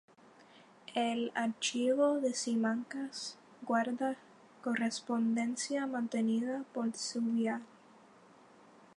El archivo de Simancas guarda correspondencia mantenida por Zubiaur.